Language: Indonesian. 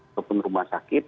ataupun rumah sakit